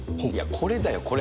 これだよ、これ。